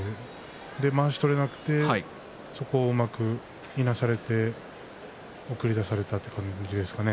それでまわしが取れなくてそこをうまくいなされて送り出されたという感じですかね。